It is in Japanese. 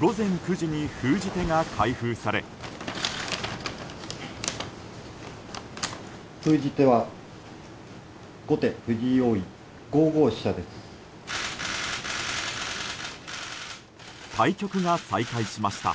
午前９時に封じ手が開封され対局が再開しました。